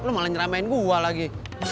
lo malah nyeramain gue lagi